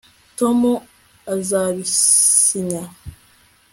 tom azabisinya